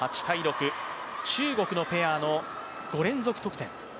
中国のペアの５連続得点。